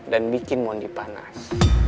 dan bikin mondi panas